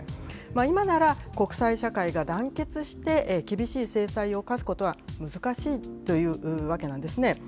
今なら国際社会が団結して厳しい制裁を科すことは難しいというわけなんですね。